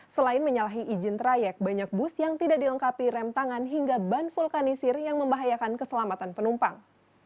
selain menyalahi izin trayek banyak bus yang tidak dilengkapi rem tangan hingga ban vulkanisir yang membahayakan keselamatan penumpang